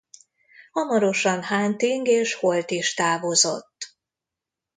Hamarosan Hunting és Holt is távozott.